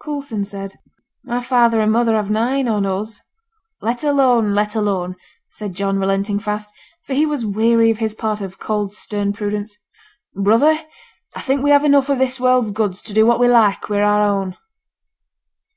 Coulson said 'My father and mother have nine on us.' 'Let alone, let alone!' said John, relenting fast; for he was weary of his part of cold, stern prudence. 'Brother, I think we have enough of this world's goods to do what we like wi' our own.'